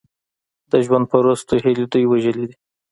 د ژوند پرستو هیلې دوی وژلي دي.